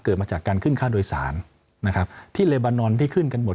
มาจากการขึ้นค่าโดยสารนะครับที่เลบานอนที่ขึ้นกันหมด